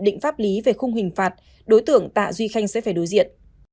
định pháp lý về khung hình phạt